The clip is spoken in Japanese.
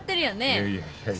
いやいやいやいや。